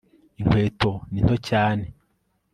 Inkweto ni nto cyane